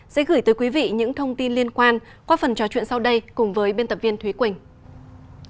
sẽ gửi tới quý vị những thông tin liên quan qua phần trò chuyện sau đây cùng với biên tập viên thúy quỳnh